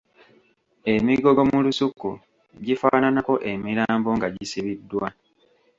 Emigogo mu lusuku gifaananako emirambo nga gisibiddwa.